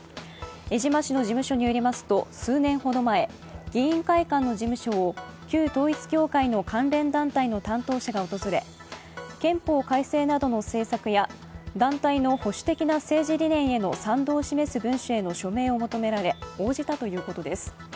江島氏の事務所によりますと数年ほど前、議員会館の事務所を旧統一教会の関連団体の担当者が訪れ憲法改正などの政策や団体の保守的な政治理念への賛同を示す文書への署名を求められ応じたということです。